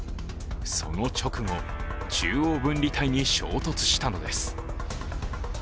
その直後、中央分離帯に衝突したのです。